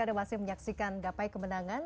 anda masih menyaksikan gapai kemenangan